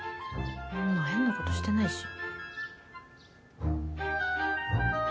そんな変なことしてないし。